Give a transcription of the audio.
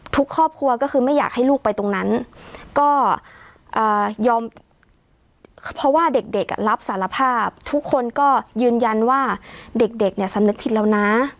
ทุกครอบครัวก็คือไม่อยากให้ลูกไปตรงนั้นก็ยอมเพราะว่าเด็กรับสารภาพทุกคนก็ยืนยันว่าเด็กเนี่ยสำนึกผิดแล้วนะ